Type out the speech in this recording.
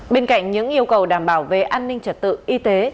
bên cạnh những yêu cầu đảm bảo về an ninh trật tự y tế